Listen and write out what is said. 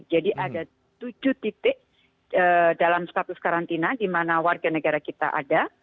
jadi ada tujuh titik dalam status karantina di mana warga negara kita ada